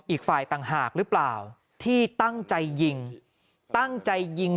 อีกฝ่ายต่างหากหรือเปล่าที่ตั้งใจยิง